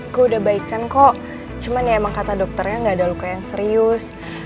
gue udah baikan kok cuman ya emang kata dokternya gak ada luka yang serius